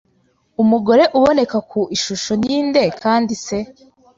Umugore uboneka ku ishusho ni nde kandi se